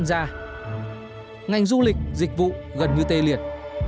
ngoài ra ngành du lịch dịch vụ gần như tê liệt